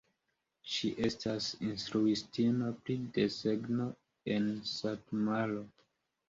Ŝi estas instruistino pri desegno en Satmaro.